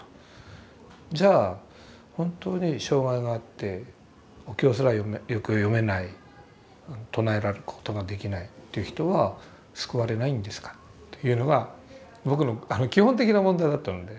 じゃあ本当に障害があってお経すらよく読めない唱えることができないという人は救われないんですかというのが僕の基本的な問題だったので。